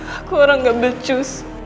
aku orang gak becus